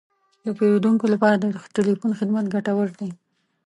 د پیرودونکو لپاره د تلیفون خدمت ګټور دی.